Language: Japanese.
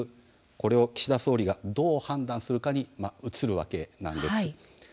これを岸田総理が、どう判断するかに移るわけなんです。